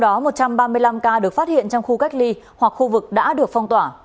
trong đó một trăm ba mươi năm ca được phát hiện trong khu cách ly hoặc khu vực đã được phong tỏa